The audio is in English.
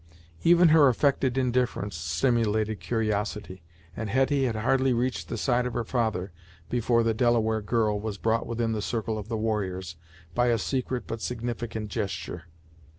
Even her affected indifference stimulated curiosity, and Hetty had hardly reached the side of her father, before the Delaware girl was brought within the circle of the warriors, by a secret but significant gesture.